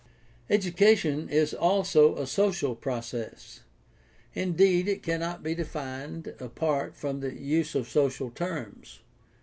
— Education is also a social process. Indeed, it cannot be defined apart from the use of social terms.